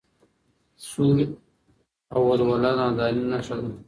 سور او ولوله د نادانۍ نښه ده.